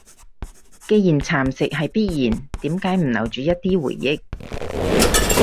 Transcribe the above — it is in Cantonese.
既然蠶蝕係必然，點解唔留住一啲回憶？